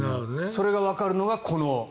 それがわかるのがこの２８号。